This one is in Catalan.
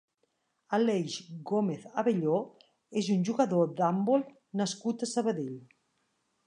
Aleix Gómez Abelló és un jugador d'handbol nascut a Sabadell.